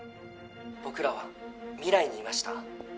僕らは未来にいました